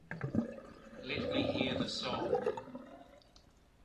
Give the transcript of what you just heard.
Let me hear the song.